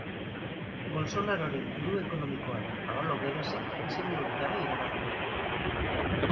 Bolsonaroren buru ekonomikoa den Paolo Guedesek disimulurik gabe iragarri du.